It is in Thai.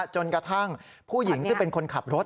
จนกระทั่งผู้หญิงซึ่งเป็นคนขับรถ